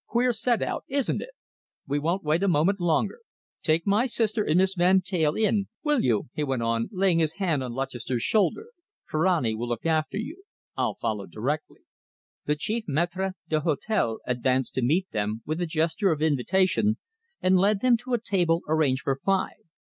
"Queer set out, isn't it? We won't wait a moment longer. Take my sister and Miss Van Teyl in, will you?" he went on, laying his hand on Lutchester's shoulder. "Ferrani will look after you. I'll follow directly." The chief maitre d'hotel advanced to meet them with a gesture of invitation, and led them to a table arranged for five.